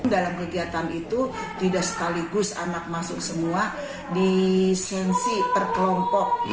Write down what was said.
dalam kegiatan itu tidak sekaligus anak masuk semua di sensi per kelompok